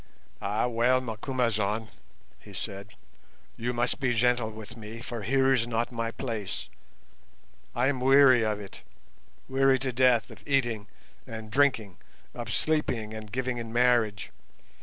"Ah, well, Macumazahn," he said, "you must be gentle with me, for here is not my place. I am weary of it, weary to death of eating and drinking, of sleeping and giving in marriage.